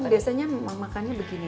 aku biasanya memakannya begini